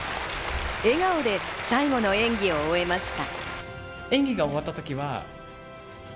笑顔で最後の演技を終えました。